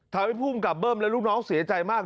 ทำให้ภูมิกับเบิ้มและลูกน้องเสียใจมาก